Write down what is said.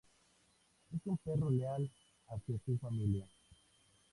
Es un perro leal hacia su familia.